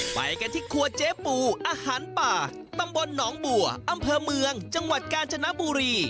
ไปกันที่ครัวเจ๊ปูอาหารป่าตำบลหนองบัวอำเภอเมืองจังหวัดกาญจนบุรี